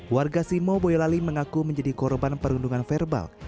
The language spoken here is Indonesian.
warga simo boyolali mengaku menjadi korban perundungan verbal